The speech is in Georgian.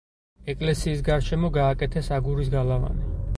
ეკლესიის გარშემო გააკეთეს აგურის გალავანი.